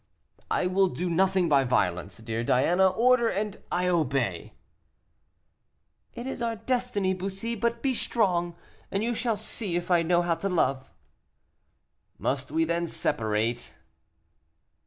"I will do nothing by violence, dear Diana; order, and I obey." "It is our destiny, Bussy; but be strong, and you shall see if I know how to love." "Must we then separate?"